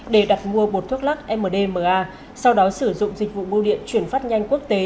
để đặt mua bột thuốc lắc mdma sau đó sử dụng dịch vụ bưu điện chuyển phát nhanh quốc tế